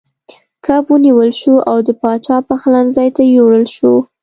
کب ونیول شو او د پاچا پخلنځي ته یووړل شو.